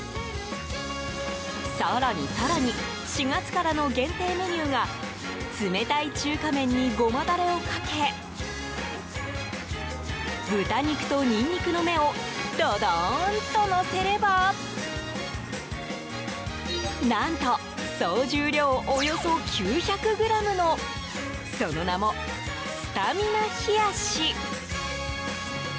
更に更に４月からの限定メニューが冷たい中華麺にゴマダレをかけ豚肉とニンニクの芽をドドーンとのせれば何と、総重量およそ９００ｇのその名もスタミナ冷やし。